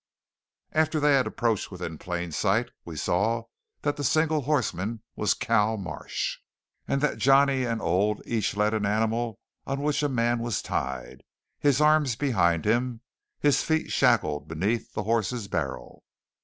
After they had approached within plain sight we saw that the single horseman was Cal Marsh; and that Johnny and Old each led an animal on which a man was tied, his arms behind him, his feet shackled beneath the horse's barrel.